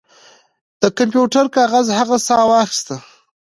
د کمپیوټر کاغذ هغې ساه واخیسته